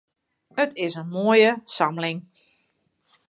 It is in moaie samling.